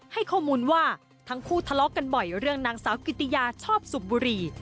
ให้ข้อมูลว่าทั้งคู่ทะเลาะกันบ่อยเรื่องนางสาวกิติยาชอบสูบบุหรี่